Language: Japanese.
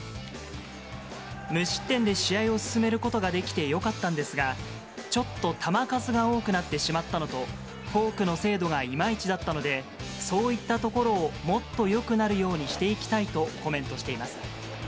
無失点で試合を進めることができてよかったんですが、ちょっと球数が多くなってしまったのと、フォークの精度がいまいちだったので、そういったところを、もっとよくなるようにしていきたいとコメントしています。